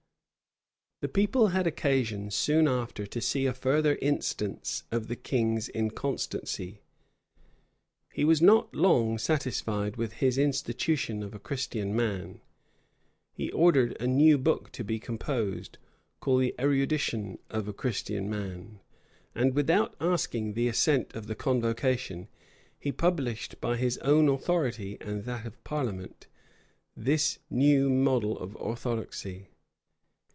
The people had occasion soon after to see a further instance of the king's inconstancy. He was not long satisfied with his Institution of a Christian Man: he ordered a new book to be composed, called the Erudition of a Christian Man; and without asking the assent of the convocation, he published, by his own authority and that of the parliament, this new model of orthodoxy.